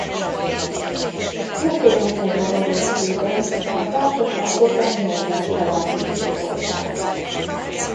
Története javarészében a társaságot a Morgan család birtokolta.